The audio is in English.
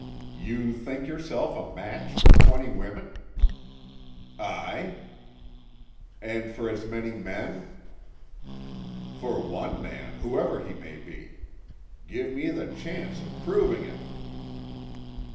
"You think yourself a match for twenty women?" "Aye." "And for as many men?" "For one man, whoever he may be. Give me the chance of proving it."